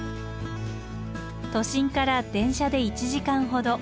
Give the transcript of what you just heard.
都心から電車で１時間ほど。